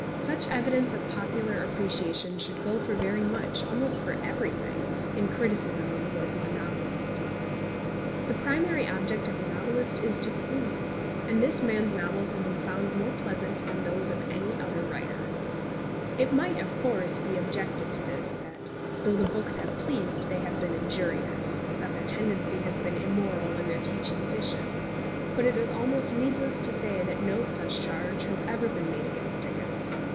Such evidence of popular appreciation should go for very much, almost for everything, in criticism on the work of a novelist. The primary object of a novelist is to please; and this man's novels have been found more pleasant than those of any other writer. It might of course be objected to this, that though the books have pleased they have been injurious, that their tendency has been immoral and their teaching vicious; but it is almost needless to say that no such charge has ever been made against Dickens.